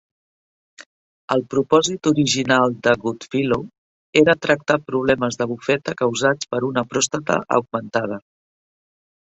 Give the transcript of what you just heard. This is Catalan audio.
El propòsit original de Goodfellow era tractar problemes de bufeta causats per una pròstata augmentada.